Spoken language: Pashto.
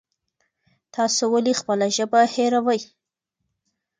تاسو ولې خپله ژبه هېروئ؟